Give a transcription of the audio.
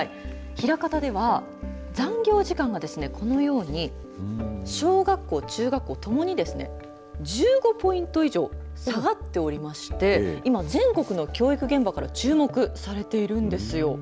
枚方では残業時間がですね、このように小学校、中学校ともにですね１５ポイント以上下がっておりまして今、全国の教育現場から注目されているんですよ。